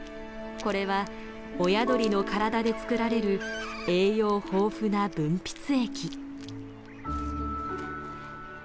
これは親鳥の体で作られる栄養豊富な分泌液。